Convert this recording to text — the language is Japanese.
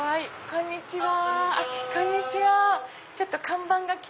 こんにちは。